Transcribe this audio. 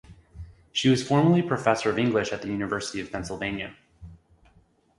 She was formerly Professor of English at the University of Pennsylvania.